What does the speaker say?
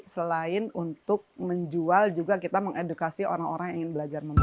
selain untuk menjual juga kita mengedukasi orang orang yang ingin belajar membatik